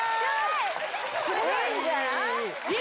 ・いいんじゃない？